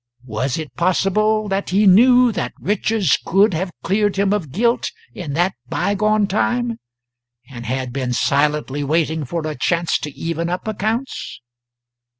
Was it possible that he knew that Richards could have cleared him of guilt in that bygone time, and had been silently waiting for a chance to even up accounts?